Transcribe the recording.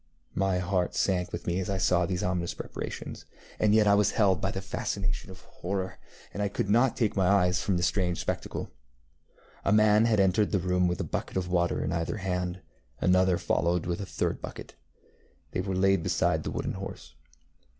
My heart sank within me as I saw these ominous preparations, and yet I was held by the fascination of horror, and I could not take my eyes from the strange spectacle. A man had entered the room with a bucket of water in either hand. Another followed with a third bucket. They were laid beside the wooden horse.